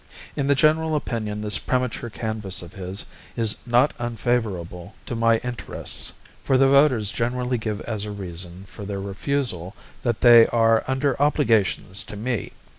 In the general opinion this premature canvass of his is not unfavourable to my interests; for the voters generally give as a reason for their refusal that they are under obligations to me.